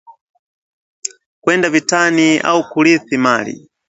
kwenda vitani au kurithi mali